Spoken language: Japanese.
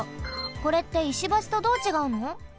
これって石橋とどうちがうの？